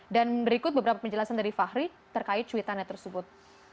dan berikut beberapa penjelasan dari fahri terkait cuitannya tersebut